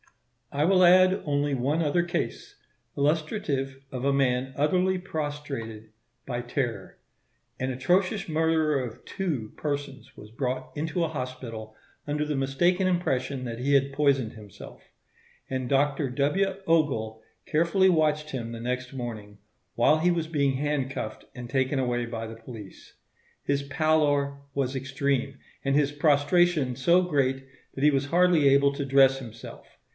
I will add only one other case, illustrative of a man utterly prostrated by terror. An atrocious murderer of two persons was brought into a hospital, under the mistaken impression that he had poisoned himself; and Dr. W. Ogle carefully watched him the next morning, while he was being handcuffed and taken away by the police. His pallor was extreme, and his prostration so great that he was hardly able to dress himself.